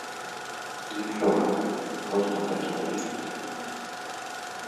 Нічога, проста такі перыяд.